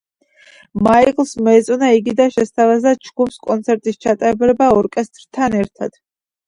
მაიკლს მოეწონა იგი და შესთავაზა ჯგუფს კონცერტის ჩატარება ორკესტრთან ერთად.